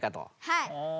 はい。